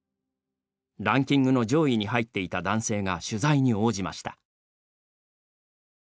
ランキングの上位に入っていた男性が取材に応じました。